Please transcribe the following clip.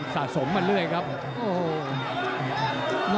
สะสมมาเรื่อยครับโอ้โห